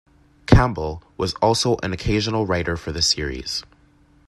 Campbell was also an occasional writer for the series.